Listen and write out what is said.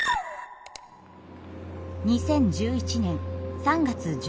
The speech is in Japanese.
２０１１年３月１１日。